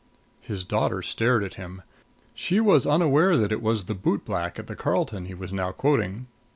His daughter stared at him. She was unaware that it was the bootblack at the Carlton he was now quoting.